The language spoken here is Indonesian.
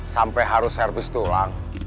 sampai harus servis tulang